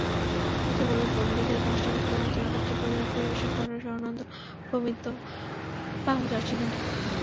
দ্বিতীয় পর্বে বিকেল পাঁচটায় মুক্তমঞ্চে আবৃত্তি পরিবেশন করে স্বরনন্দন প্রমিত বাংলা চর্চা কেন্দ্র।